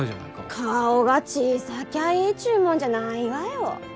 顔が小さきゃいいっちゅうもんじゃないがよ